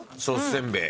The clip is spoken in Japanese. せんべい。